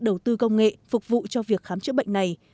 đầu tư công nghệ phục vụ cho việc khám chữa bệnh này